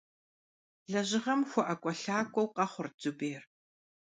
Лэжьыгъэм хуэIэкIуэлъакIуэу къэхъурт Зубер.